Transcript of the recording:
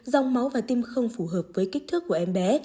dòng máu và tim không phù hợp với kích thước của em bé